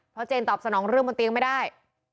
เพราะเจนตอบสนองเรื่องบนเตียงไม่ได้